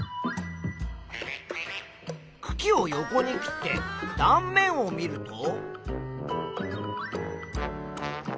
くきを横に切って断面を見ると。